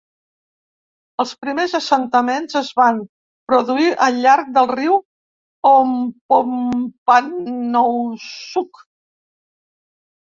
Els primers assentaments es van produir al llarg del riu Ompompanoosuc.